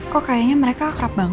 kok kayaknya mereka akrab banget